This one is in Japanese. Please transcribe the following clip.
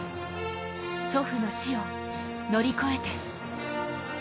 祖父の死を乗り越えて。